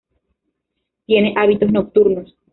Tiene hábitos nocturnos.